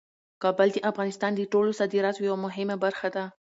کابل د افغانستان د ټولو صادراتو یوه مهمه برخه ده.